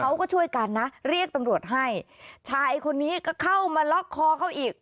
เขาก็ช่วยกันนะเรียกตำรวจให้ชายคนนี้ก็เข้ามาล็อกคอเขาอีก